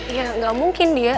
iya gak mungkin dia